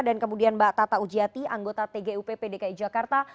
dan kemudian mbak tata ujiati anggota tgup pdki jakarta